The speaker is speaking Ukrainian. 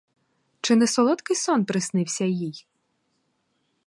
Чи не солодкий сон приснився їй?